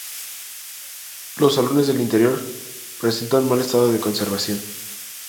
Los salones del interior presentan mal estado de conservación.